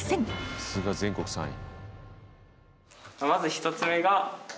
さすが全国３位。